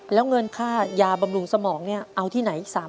แล้วเงินค่ายาบำรุงสมองนี่เอาที่ไหนอีก๓๐๐๐บาท